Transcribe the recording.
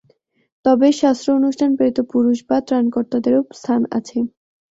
তবে শাস্ত্র, অনুষ্ঠান, প্রেরিত পুরুষ বা ত্রাণকর্তাদেরও স্থান আছে।